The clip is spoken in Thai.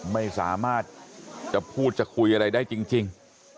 ไม่สามารถจะพูดจะคุยอะไรได้จริง